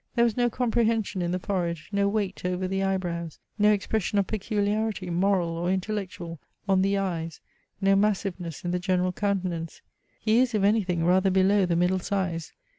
There was no comprehension in the forehead, no weight over the eye brows, no expression of peculiarity, moral or intellectual, on the eyes, no massiveness in the general countenance. He is, if anything, rather below the middle size.